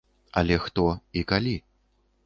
Але хто і калі?